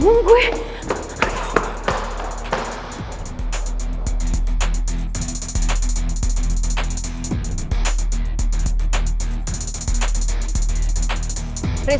pasti kalau heather apa mereka